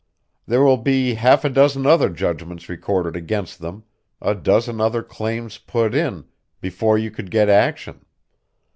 There will be half a dozen other judgments recorded against them, a dozen other claims put in, before you could get action.